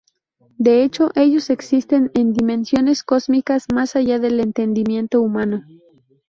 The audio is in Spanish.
De hecho, ellos existen en dimensiones cósmicas más allá del entendimiento humano.